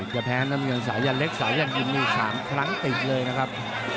จะแพ้น้ำเงินสายันเล็กมี๓ครั้งติดเลยนะครับ